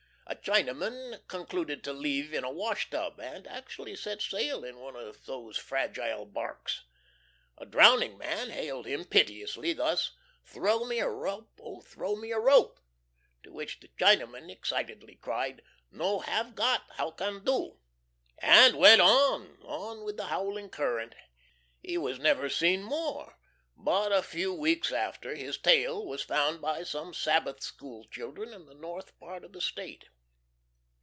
A Chinaman concluded to leave in a wash tub, and actually set sail in one of those fragile barks. A drowning man hailed him piteously, thus: "Throw me a rope, oh throw me a rope!" To which the Chinaman excitedly cried, "No have got how can do?" and went on, on with the howling current. He was never seen more; but a few weeks after his tail was found by some Sabbath school children in the north part of the State.